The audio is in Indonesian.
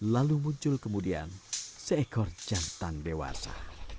lalu muncul kemudian seekor jantan dewasa